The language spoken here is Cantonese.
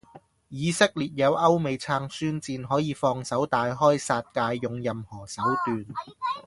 以色列有歐美撐宣戰,可以放手大開殺界，用任何手段。